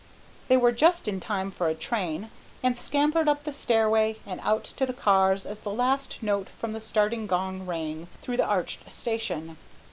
They were just in time for a train and scampered up the stairway and out to the cars as the last note from the starting gong rang through the arched station.